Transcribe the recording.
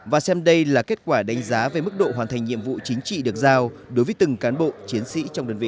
và xem đây là kết quả đánh giá về mức độ hoàn thành nhiệm vụ chính trị được giao đối với từng cán bộ chiến sĩ trong đơn vị